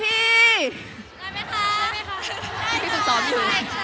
ได้มั้ยคะ